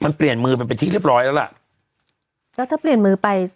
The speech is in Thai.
มันเปลี่ยนมือมันเป็นที่เรียบร้อยแล้วล่ะแล้วถ้าเปลี่ยนมือไป